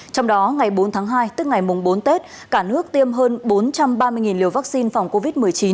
trong đó ngày bốn tháng hai tức ngày mùng bốn tết cả nước tiêm hơn bốn trăm ba mươi liều vaccine phòng covid một mươi chín